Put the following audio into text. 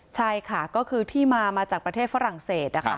ใช่ค่ะก็คือที่มามาจากประเทศฝรั่งเศส